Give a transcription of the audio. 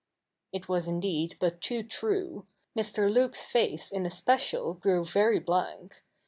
It was indeed but too true. Mr. Luke's face in especial grew very blank.